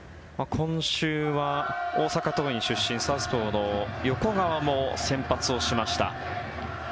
今週は大阪桐蔭出身サウスポーの横川も先発をしました。